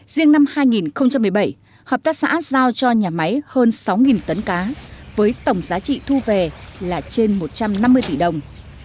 riêng năm hai nghìn một mươi bảy hợp tác xã giao cho nhà máy hơn sáu tấn cá với tổng giá trị thu về là trên một trăm năm mươi tỷ đồng